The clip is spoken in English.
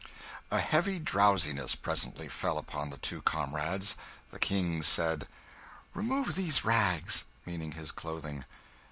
A heavy drowsiness presently fell upon the two comrades. The King said "Remove these rags." meaning his clothing.